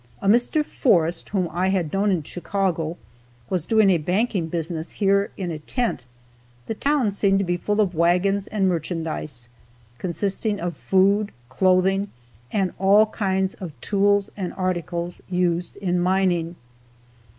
A Mr. Forrest, whom I had known in Chicago, was doing a banking business here in a tent. The town seemed to be full of wagons and merchandise, consisting of food, clothing and all kinds of tools and articles used in mining.